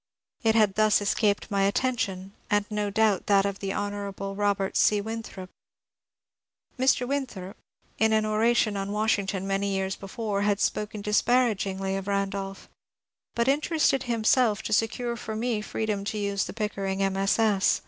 It had thus escaped my attention, and no doubt that of the Hon. Robert C. Winthrop. Mr. Winthrop, in an oration on Washington many years be fore, had spoken disparagingly of Randolph, but interested himself to secure for me freedom to use the Pickering MSS.